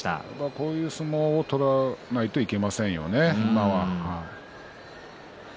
こういう相撲を取らなきゃいけませんよね。